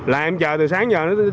khen nguyen truyền thông tnn skycar